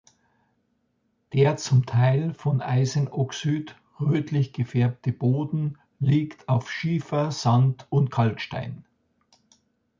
Der zum Teil von Eisenoxid rötlich gefärbte Boden liegt auf Schiefer, Sand und Kalkstein.